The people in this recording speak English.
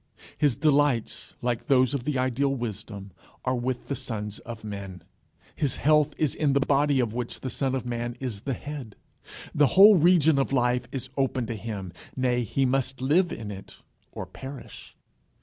His delights, like those of the Ideal Wisdom, are with the sons of men. His health is in the body of which the Son of Man is the head. The whole region of life is open to him nay, he must live in it or perish.